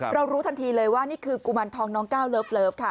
รู้ทันทีเลยว่านี่คือกุมารทองน้องก้าวเลิฟค่ะ